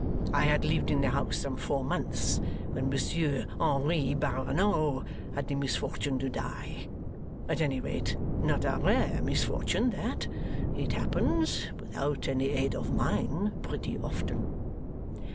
I had lived in the house some four months when Monsieur Henri Barronneau had the misfortune to die; at any rate, not a rare misfortune, that. It happens without any aid of mine, pretty often.